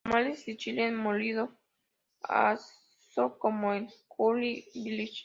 Tamales y chile molido aso como el juch-bilich.